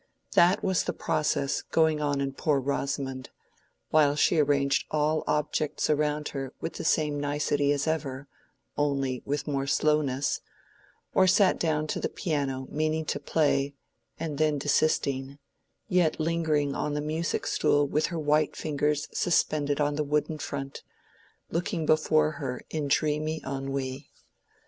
That was the process going on in poor Rosamond, while she arranged all objects around her with the same nicety as ever, only with more slowness—or sat down to the piano, meaning to play, and then desisting, yet lingering on the music stool with her white fingers suspended on the wooden front, and looking before her in dreamy ennui.